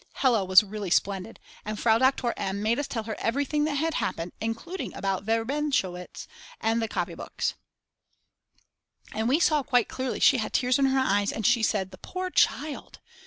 Hella was really splendid and Frau Doktor M. made us tell her everything that had happened, including about Verbenowitsch and the copybooks; and we saw quite clearly she had tears in her eyes and she said: "The poor child!